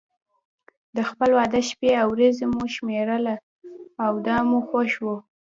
د خپل واده شپې او ورځې مو شمېرله او دا مو خوښ و.